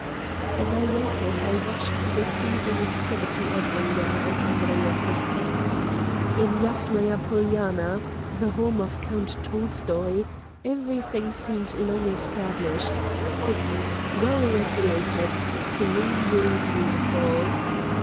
As I waited I watched the seething activity everywhere on Andreyev's estate. In Yasnaya Polyana, the home of Count Tolstoy, everything seemed long established, fixed, well regulated, se renely beautiful.